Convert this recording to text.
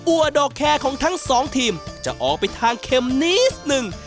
ัวดอกแคร์ของทั้งสองทีมจะออกไปทางเค็มนิดหนึ่ง